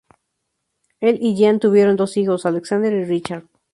El y Jean tuvieron dos hijos, Alexander y Richard.